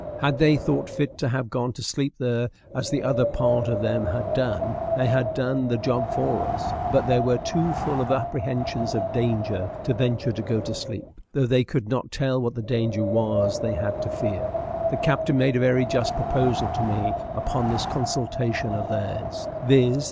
Had they thought fit to have gone to sleep there, as the other part of them had done, they had done the job for us; but they were too full of apprehensions of danger to venture to go to sleep, though they could not tell what the danger was they had to fear. The captain made a very just proposal to me upon this consultation of theirs, viz.